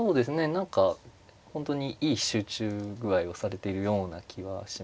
何か本当にいい集中具合をされているような気はしますね。